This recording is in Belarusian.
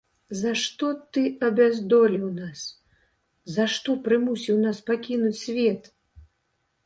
За што ты абяздоліў нас, за што прымусіў нас пакінуць свет?